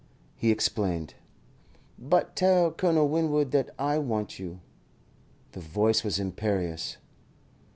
He explained. "But tell Colonel Winwood that I want you" the voice was imperious.